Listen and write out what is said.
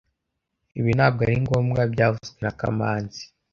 Ibi ntabwo ari ngombwa byavuzwe na kamanzi